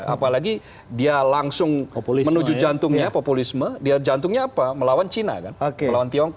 apalagi dia langsung menuju jantungnya populisme dia jantungnya apa melawan china kan melawan tiongkok